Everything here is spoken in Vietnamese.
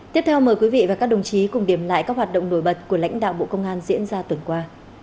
tiếp theo mời quý vị và các đồng chí cùng điểm lại các hoạt động nổi bật của lãnh đạo bộ công an diễn ra tuần qua